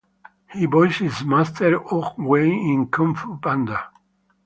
He voiced Master Oogway in "Kung Fu Panda".